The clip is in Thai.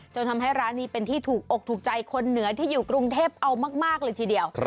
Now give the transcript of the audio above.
จนทำให้ร้านนี้เป็นที่ถูกอกถูกใจคนเหนือที่อยู่กรุงเทพเอามากเลยทีเดียว